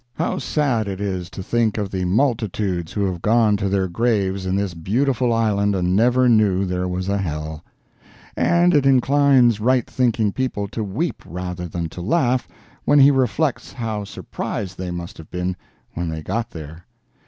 How sad it is to think of the multitudes who have gone to their graves in this beautiful island and never knew there was a hell! And it inclines right thinking man to weep rather than to laugh when he reflects how surprised they must have been when they got there.